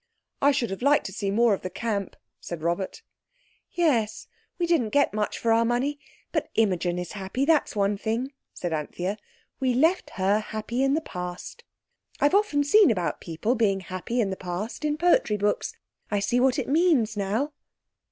"I should have liked to see more of the camp," said Robert. "Yes, we didn't get much for our money—but Imogen is happy, that's one thing," said Anthea. "We left her happy in the Past. I've often seen about people being happy in the Past, in poetry books. I see what it means now."